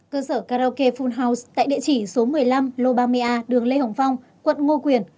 cơ sở karaoke ful house tại địa chỉ số một mươi năm lô ba mươi a đường lê hồng phong quận ngo quyền